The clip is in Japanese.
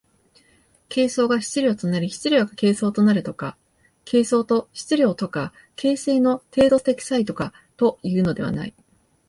形相が質料となり質料が形相となるとか、形相と質料とか形成の程度的差異とかというのではない。